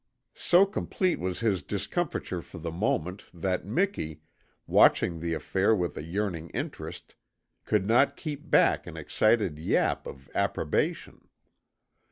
So complete was his discomfiture for the moment that Miki, watching the affair with a yearning interest, could not keep back an excited yap of approbation.